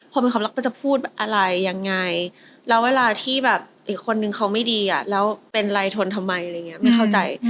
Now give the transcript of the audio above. พอมีความรักก็จะพูดอะไรยังไงแล้วเวลาที่แบบอีกคนนึงเขาไม่ดีอ่ะแล้วเป็นไรทนทำไมอะไรอย่างนี้ไม่เข้าใจ